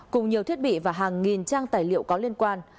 cùng nhiều thiết bị và hàng nghìn trang tài liệu có liên quan